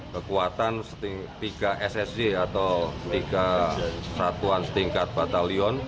kekuatan tiga ssc atau tiga satuan setingkat batalion